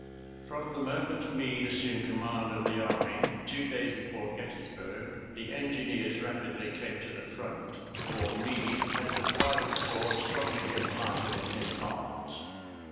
From the moment Meade assumed command of the army, two days before Gettysburg, the engineers rapidly came to the front, for Meade had the pride of corps strongly implanted in his heart.